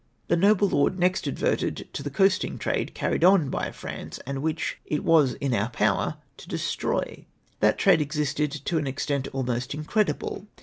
" The noble lord next adverted to the coasting trade carried on by France, and which it w^as in our power to destroy. That trade existed to an extent almost incredible.